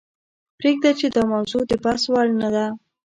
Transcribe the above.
پریږده یې داموضوع دبحث وړ نه ده .